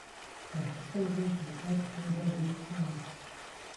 تاکە کەس بووم کە لە کاتی خۆیدا گەیشتمە ئێرە.